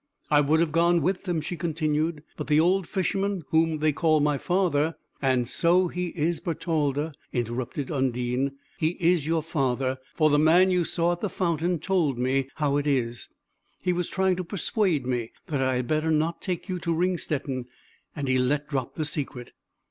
"I would have gone with them," she continued, "but the old Fisherman, whom they call my father " "And so he is, Bertalda," interrupted Undine. "He is your father. For the man you saw at the fountain told me how it is. He was trying to persuade me that I had better not take you to Ringstetten, and he let drop the secret."